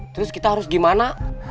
terus kita harus gimana